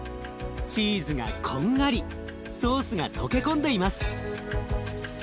チーズがこんがりソースが溶け込んでいます。